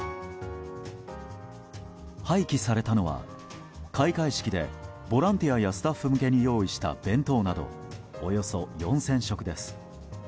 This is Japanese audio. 廃棄されたのは開会式でボランティアやスタッフ向けに用意した弁当などおよそ４０００食です。